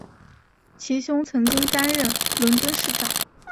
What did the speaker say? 其兄曾经担任伦敦市长。